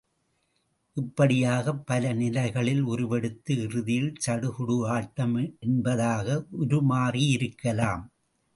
இப்படியாக பல நிலைகளில் உருவெடுத்து, இறுதியில் சடுகுடு ஆட்டம் என்பதாக உருமாறியிருக்கலாம்.